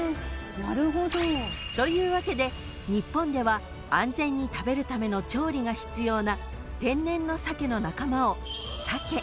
［というわけで日本では安全に食べるための調理が必要な天然の鮭の仲間を］